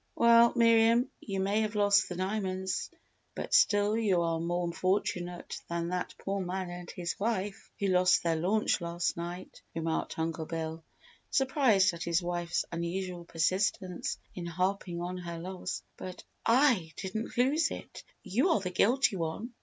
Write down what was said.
"Well, Miriam, you may have lost the diamonds but still you are more fortunate than that poor man and his wife who lost their launch last night," remarked Uncle Bill, surprised at his wife's unusual persistence in harping on her loss. "But I didn't lose it you are the guilty one!"